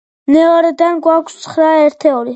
მეორედან გვაქვს ცხრა ერთეული.